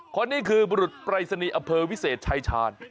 คนนี้คือบรุษไปรสณีย์อเภอวิเศษชายชาญ